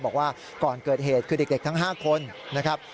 บอกว่าก่อนเกิดเหตุคือเด็กทั้ง๕คนนะครับ